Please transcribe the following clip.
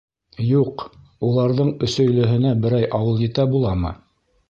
Юҡ, уларҙың Өсөйлөһөнә берәй ауыл етә буламы?